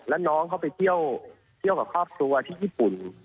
แล้วน้องเขาไปเที่ยวกับครอบครัวที่ญี่ปุ่น